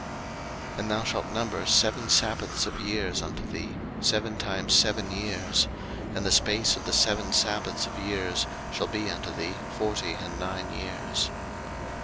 03:025:008 And thou shalt number seven sabbaths of years unto thee, seven times seven years; and the space of the seven sabbaths of years shall be unto thee forty and nine years.